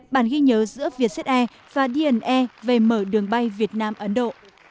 bản ghi nhớ giữa vietcete và dne về mở đường bay việt nam ấn độ